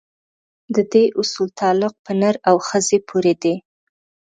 د دې اصول تعلق په نر او ښځې پورې دی.